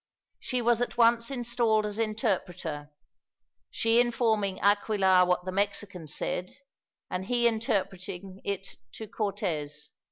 She was at once installed as interpreter she informing Aquilar what the Mexicans said, and he interpreting it to Cortez.